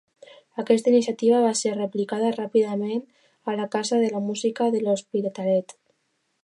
Aquesta iniciativa va ser replicada ràpidament a la Casa de la Música de l'Hospitalet.